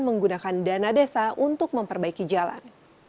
menggunakan dana desa untuk memperbaiki jalan